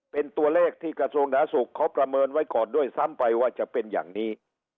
เป็นตัวเลขที่กระทรวงหนาสุขเขาประเมินไว้ก่อนด้วยซ้ำไปว่าจะเป็นอย่างนี้